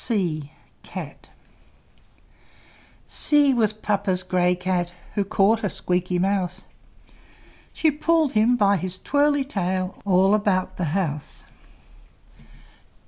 C C was Papa's gray Cat, Who caught a squeaky Mouse; She pulled him by his twirly tail All about the house.